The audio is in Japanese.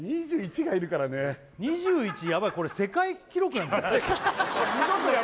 ２１がいるからね２１やばいこれ世界記録なんじゃない？